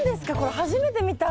初めて見た。